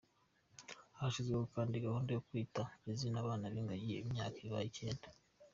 Hashyizweho kandi gahunda yo Kwita Izina abana b’ingagi, imyaka ibaye icyenda.